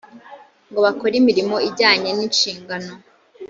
ngo bakore imirimo ijyanye n’inshingano